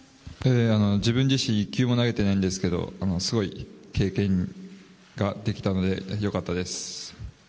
自分自身１球も投げてないんですけどすごい、いい経験ができたので良かったです。